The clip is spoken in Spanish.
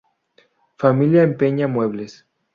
Familia empeña muebles.